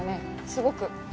すごく。